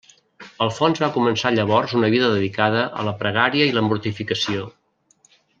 Alfons va començar llavors una vida dedicada a la pregària i la mortificació.